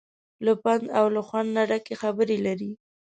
له پند او له خوند نه ډکې خبرې لري.